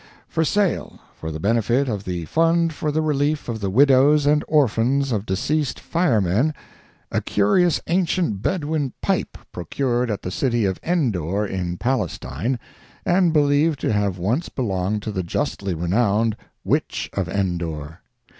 "For sale, for the benefit of the Fund for the Relief of the Widows and Orphans of Deceased Firemen, a Curious Ancient Bedouin pipe procured at the city of Endor in Palestine, and believed to have once belonged to the justly renowned Witch of Endor.